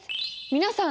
皆さん